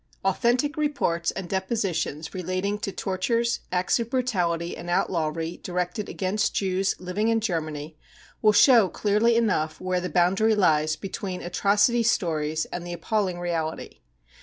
Authen tic reports and depositions relating to tortures, acts of brutality, and outlawry directed against Jews living in Germany will show clearly enough where the boundary lies between " atrocity stories 55 and the appalling reality.